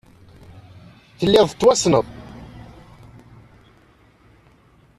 Telliḍ tettwassneḍ.